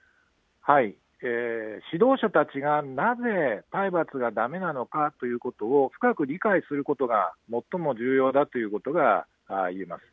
指導者たちがなぜ体罰がだめなのかということを深く理解することが最も重要だということがいえます。